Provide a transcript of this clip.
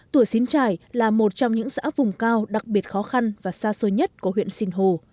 tùa xín trải là một trong những xã vùng cao đặc biệt khó khăn và xa xôi nhất của huyện sinh hồ